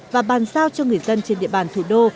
và bàn giao cho người dân trên địa bàn thủ đô